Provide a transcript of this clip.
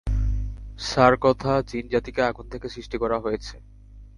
সারকথা, জিন জাতিকে আগুন থেকে সৃষ্টি করা হয়েছে।